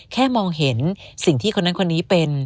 แค่มองเห็นสิ่งที่คนนั้นคนนี้เป็น